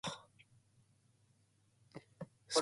The test included listening, reading and writing sections.